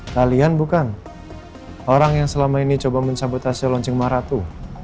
kalian bukan orang yang selama ini mencoba mensabotase launching maratu